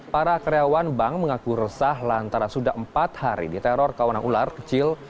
para karyawan bank mengaku resah lantara sudah empat hari di teror kawanan ular kecil